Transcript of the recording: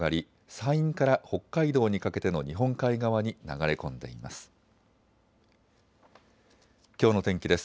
山陰から北海道にかけての日本海側に流れ込んでいます。